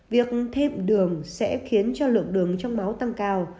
việc thêm đường sẽ khiến cho lượng đường trong máu tăng cao